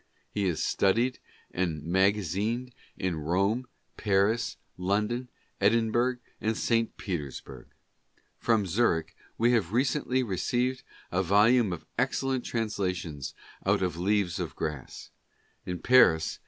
He is studied and magazined at Rome, Paris, London, Edinburgh and St. Peters burg. From Zurich we have recently received a volume of excellent translations out of "Leaves of Grass;" in Paris M.'